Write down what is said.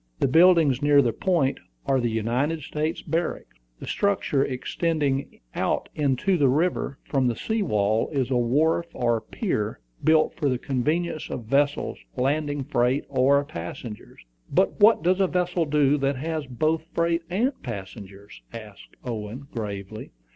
The buildings near the point are the United States Barracks. The structure extending out into the river from the sea wall is a wharf or pier, built for the convenience of vessels landing freight or passengers." "But what does a vessel do that has both freight and passengers?" asked Owen, gravely.